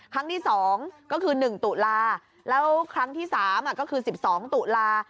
ครั้งที่๒ก็คือ๑ตุลาแล้วครั้งที่๓ก็คือ๑๒ตุลา